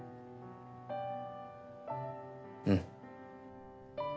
うん。